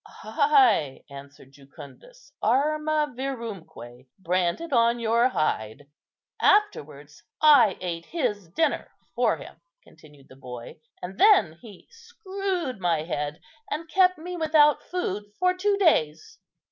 "Ay," answered Jucundus, " 'arma virumque' branded on your hide." "Afterwards I ate his dinner for him," continued the boy, "and then he screwed my head, and kept me without food for two days."